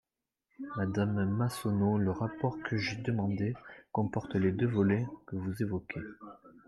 Madame Massonneau, le rapport que j’ai demandé comporte les deux volets que vous évoquez.